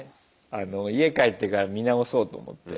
あの家帰ってから見直そうと思って。